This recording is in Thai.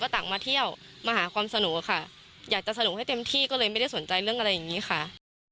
ต่างมาเที่ยวมาหาความสนุกค่ะอยากจะสนุกให้เต็มที่ก็เลยไม่ได้สนใจเรื่องอะไรอย่างนี้ค่ะ